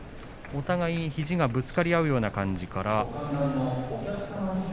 お互いに肘がぶつかり合うような感じから。